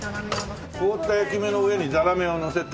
凍った焼き芋の上にざらめをのせて。